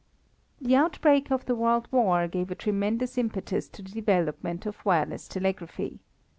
The outbreak of the world war gave a tremendous impetus to the development of wireless telegraphy.